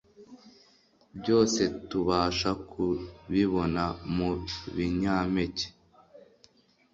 byose tubasha kubibona mu binyampeke,